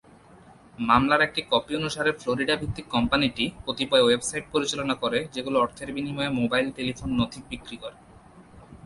মামলার একটি কপি অনুসারে ফ্লোরিডা ভিত্তিক কোম্পানিটি কতিপয় ওয়েবসাইট পরিচালনা করে যেগুলো অর্থের বিনিময়ে মোবাইল টেলিফোন নথি বিক্রি করে।